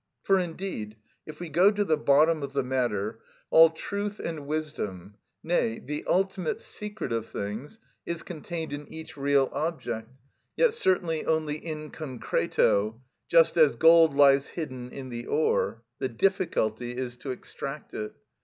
For indeed, if we go to the bottom of the matter, all truth and wisdom, nay, the ultimate secret of things, is contained in each real object, yet certainly only in concreto, just as gold lies hidden in the ore; the difficulty is to extract it.